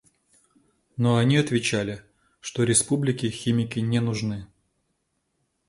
Но они отвечали, что республике химики не нужны.